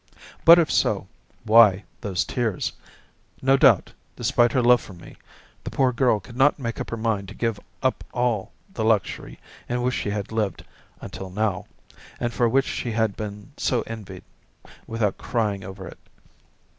But, if so, why those tears? No doubt, despite her love for me, the poor girl could not make up her mind to give up all the luxury in which she had lived until now, and for which she had been so envied, without crying over it.